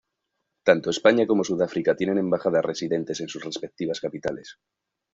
Tanto España como Sudáfrica tienen Embajadas residentes en sus respectivas capitales.